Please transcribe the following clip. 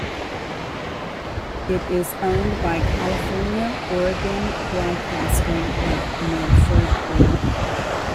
It is owned by California Oregon Broadcasting of Medford, Oregon.